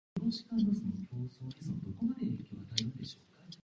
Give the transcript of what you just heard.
早く課題終わらしたい。